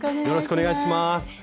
よろしくお願いします。